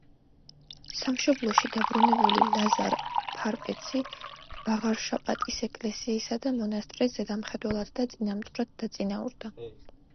სამშობლოში დაბრუნებული ლაზარ ფარპეცი ვაღარშაპატის ეკლესიისა და მონასტრის ზედამხედველად და წინამძღვრად დაწინაურდა.